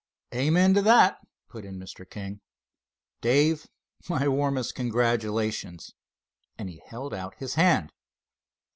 "Amen to that," put in Mr. King. "Dave, my warmest congratulations," and he held out his hand.